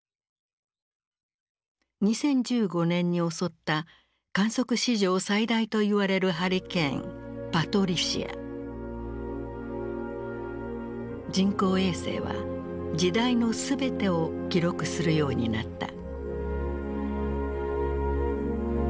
２０１５年に襲った観測史上最大といわれる人工衛星は時代の全てを記録するようになった。